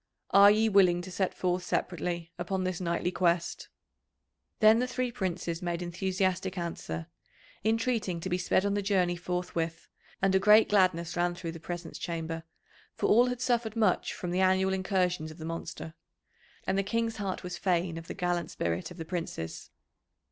Are ye willing to set forth separately upon this knightly quest?" [Illustration: "'THERE RANGETH A VAST MONSTER.'"] Then the three Princes made enthusiastic answer, entreating to be sped on the journey forthwith, and a great gladness ran through the Presence Chamber, for all had suffered much from the annual incursions of the monster. And the King's heart was fain of the gallant spirit of the Princes.